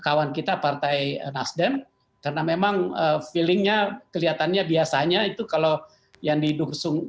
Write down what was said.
kawan kita partai nasdem karena memang feelingnya kelihatannya biasanya itu kalau yang didukung